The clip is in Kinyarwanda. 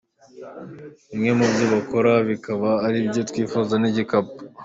Bimwe mu byo bakora bikaba ari ibyo kwifubika n’ibikapu.